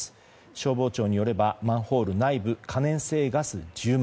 消防庁によればマンホール内部可燃性ガス、充満。